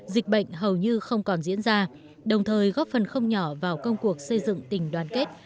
dịch bệnh hầu như không còn diễn ra đồng thời góp phần không nhỏ vào công cuộc xây dựng tình đoàn kết